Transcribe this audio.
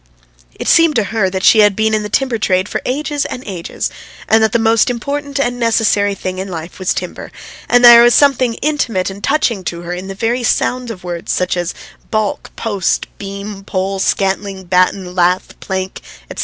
It seemed to her that she had been in the timber trade for ages and ages, and that the most important and necessary thing in life was timber; and there was something intimate and touching to her in the very sound of words such as "baulk," "post," "beam," "pole," "scantling," "batten," "lath," "plank," etc.